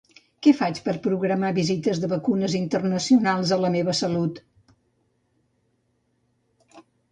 Què faig per programar visites de vacunes internacionals a La meva salut?